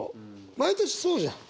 毎年そうじゃん。